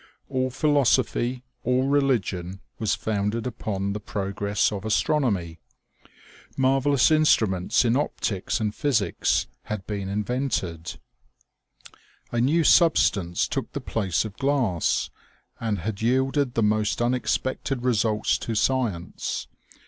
All philosophy, all religion, was founded upon the progress of astronomy. Marvellous instruments in optics and physics had been ig8 OMEGA. invented. A new substance took the place of glass, and had yielded the most unexpected results to science.